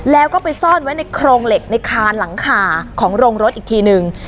แล้วก็ไปซ่อนไว้ในโครงเหล็กในคานหลังคาของโรงรถอีกทีนึง